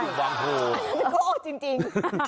แม่โก้จริง